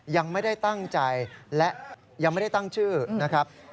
ยังไม่ได้ตั้งใจและยังไม่ได้ตั้งชื่อนะครับ